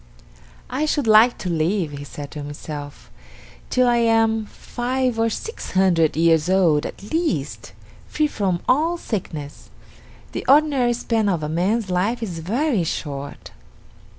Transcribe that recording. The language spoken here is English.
"I should like to live," he said to himself, "till I am five or six hundred years old at least, free from all sickness. The ordinary span of a man's life is very short."